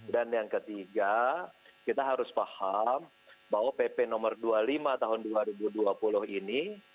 dan yang ketiga kita harus paham bahwa pp no dua puluh lima tahun dua ribu dua puluh ini